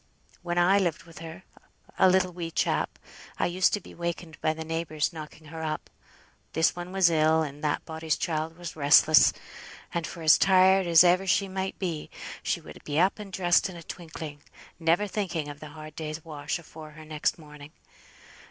When I lived with her, a little wee chap, I used to be wakened by the neighbours knocking her up; this one was ill, or that body's child was restless; and, for as tired as ever she might be, she would be up and dressed in a twinkling, never thinking of the hard day's wash afore her next morning.